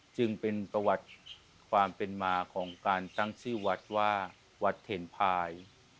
จึงเป็นประวัติความเป็นมาของการตั้งชื่อวัดว่าวัดเทนพาย